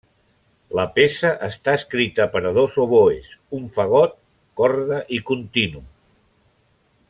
La peça està escrita per a dos oboès, un fagot, corda i continu.